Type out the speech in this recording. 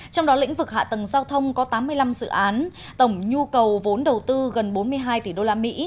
trong đó lĩnh vực hạ tầng giao thông có tám mươi năm dự án tổng nhu cầu vốn đầu tư gần bốn mươi hai tỷ usd